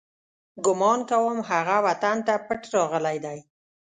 ګمان کوم، هغه وطن ته پټ راغلی دی.